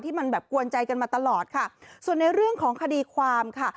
มันแบบกวนใจกันมาตลอดค่ะส่วนในเรื่องของคดีความค่ะ